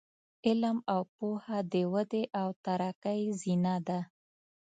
علم او پوهه د ودې او ترقۍ زینه ده.